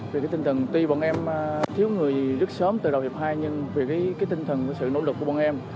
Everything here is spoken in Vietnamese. vì cái tinh thần tuy bọn em thiếu người rất sớm từ đầu hiệp hai nhưng vì cái tinh thần sự nỗ lực của bọn em